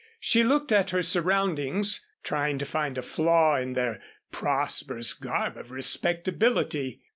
She looked at her surroundings, trying to find a flaw in their prosperous garb of respectability.